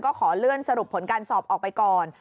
ก็ขอเลื่อนสรุปผลการสอบออกไปก่อน